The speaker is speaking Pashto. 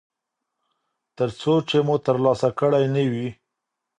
ترڅو چې مو ترلاسه کړی نه وي.